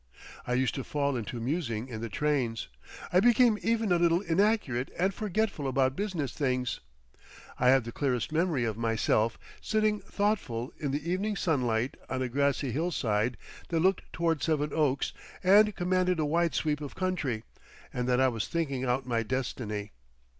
I used to fall into musing in the trains, I became even a little inaccurate and forgetful about business things. I have the clearest memory of myself sitting thoughtful in the evening sunlight on a grassy hillside that looked toward Seven Oaks and commanded a wide sweep of country, and that I was thinking out my destiny.